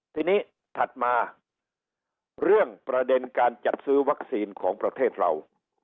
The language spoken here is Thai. ทีนี้ถัดมาเรื่องประเด็นการจัดซื้อวัคซีนของประเทศเรา